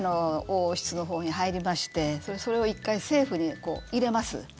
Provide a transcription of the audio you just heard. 王室のほうに入りましてそれを１回政府に入れます。